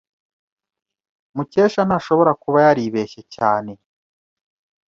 Mukesha ntashobora kuba yaribeshye cyane.